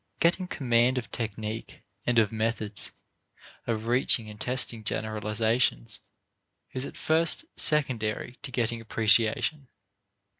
Getting command of technique and of methods of reaching and testing generalizations is at first secondary to getting appreciation.